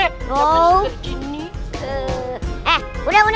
bapak juga gini